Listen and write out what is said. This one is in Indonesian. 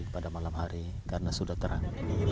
pada malam hari karena sudah terang